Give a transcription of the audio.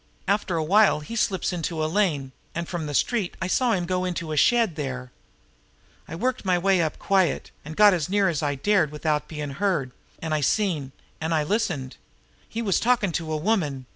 After a while he slips into a lane, and from the street I saw him go into a shed there. I worked my way up quiet, and got as near as I dared without bein' heard and seen, and I listened. He was talkin' to a woman.